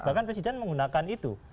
bahkan presiden menggunakan itu